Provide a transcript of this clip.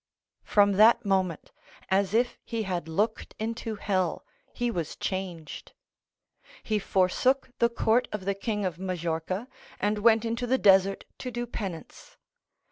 From that moment, as if he had looked into hell, he was changed; he forsook the court of the king of Majorca, and went into the desert to do penance.